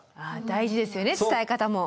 大事ですよね伝え方も。